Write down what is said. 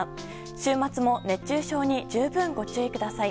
週末も熱中症に十分ご注意ください。